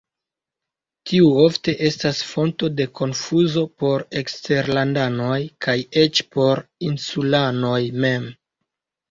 Tiu ofte estas fonto de konfuzo por eksterlandanoj, kaj eĉ por la insulanoj mem.